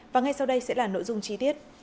và ngay sau đây sẽ là nội dung chi tiết